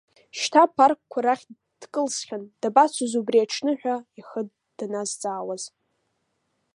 Шьҭа апаркқәа рахь дкылсхьан, дабацоз убри аҽны ҳәа, ихы даназҵаауаз.